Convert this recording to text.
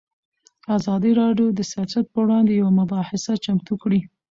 ازادي راډیو د سیاست پر وړاندې یوه مباحثه چمتو کړې.